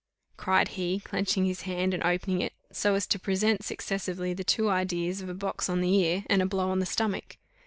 cried he, clenching his hand and opening it, so as to present, successively, the two ideas of a box on the ear, and a blow on the stomach.